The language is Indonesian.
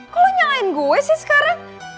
kok lo nyalain gue sih sekarang